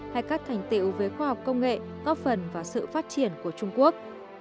hay các thành tiệu về khoa học công nghệ góp phần vào sự phát triển của trung quốc